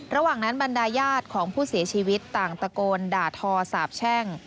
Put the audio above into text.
ระหว่างนั้นบรรดาญาติของผู้เสียชีวิตต่างตะโกนด่าทอสาบแช่ง